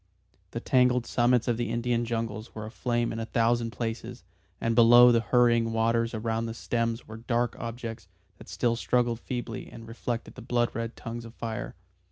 The tangled summits of the Indian jungles were aflame in a thousand places, and below the hurrying waters around the stems were dark objects that still struggled feebly and reflected the blood red tongues of fire.